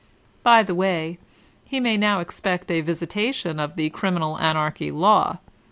"' By the way, he may now expect a visitation of the Criminal Anarchy law.